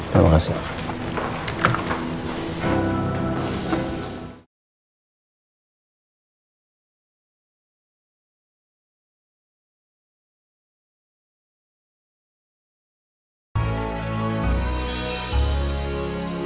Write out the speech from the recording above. terima kasih pak